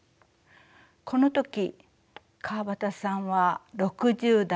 この時川端さんは６０代半ば。